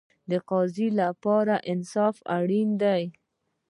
د قاضي لپاره انصاف اړین دی